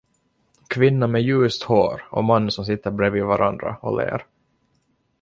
Kvinna med ljust hår och man som sitter bredvid varandra och ler.